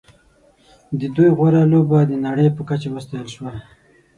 د دوی غوره لوبه د نړۍ په کچه وستایل شوه.